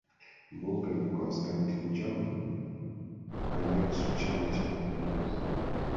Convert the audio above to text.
mbunge ni Costantine John Kanyansu Chama cha mapinduzi